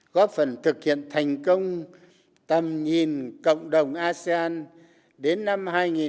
góp phần thực hiện thành công tầm nhìn cộng đồng asean đến năm hai nghìn bốn mươi năm